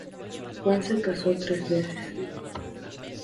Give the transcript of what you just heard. Juan se casó tres veces.